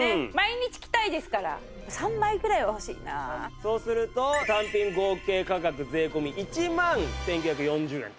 そうすると単品合計価格税込１万１９４０円と。